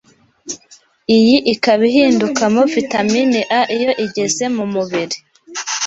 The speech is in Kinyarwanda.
iyi ikaba ihindukamo vitamini A iyo igeze mu mubiri